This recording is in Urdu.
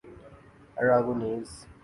اراگونیز